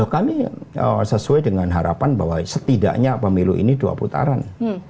kami sesuai dengan harapan bahwa setidaknya pemilu ini dua putaran